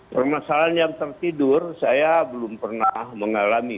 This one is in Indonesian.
permasalahan yang tertidur saya belum pernah mengalami